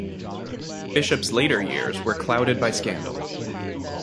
Bishop's later years were clouded by scandal.